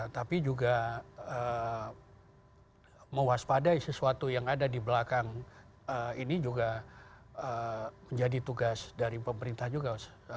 tapi juga mewaspadai sesuatu yang ada di belakang ini juga menjadi tugas dari pemerintah juga